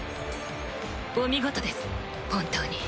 お見事です本当に。